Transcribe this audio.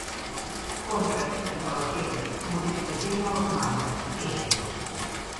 Compres, cancel·lacions, modificacions a la comanda, queixes.